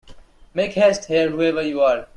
Make haste, here, whoever you are!